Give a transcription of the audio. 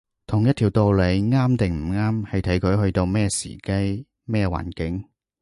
同一條道理啱定唔啱，係睇佢去到咩時機，咩環境